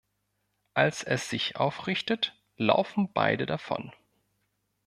Als es sich aufrichtet, laufen beide davon.